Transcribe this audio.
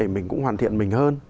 mình cũng hoàn thiện mình hơn